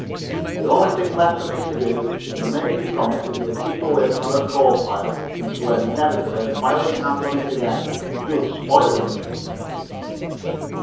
The only thing left for me to do is to make you promise that you'll keep away from our coal pile and swear never to lay violent hands on it again. You'll spoil it."